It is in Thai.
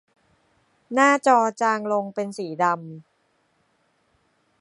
หน้าจอจางลงเป็นสีดำ